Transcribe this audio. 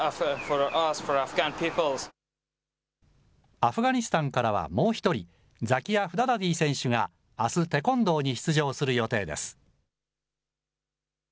アフガニスタンからはもう１人、ザキア・フダダディ選手があす、テコンドーに出場する予定です。